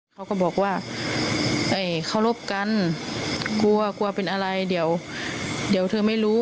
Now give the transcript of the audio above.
เขาก็บอกว่าเขารบกันกลัวกลัวเป็นอะไรเดี๋ยวเธอไม่รู้